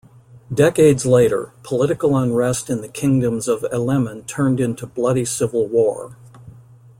Decades later, political unrest in the kingdoms of Elemen turned into bloody civil war.